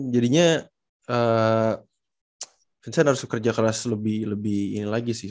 jadinya vincent harus kerja kelas lebih ini lagi sih